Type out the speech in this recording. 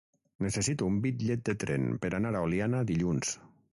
Necessito un bitllet de tren per anar a Oliana dilluns.